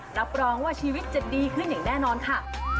รับรองว่าชีวิตจะดีขึ้นอย่างแน่นอนค่ะ